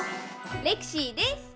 レクシーです！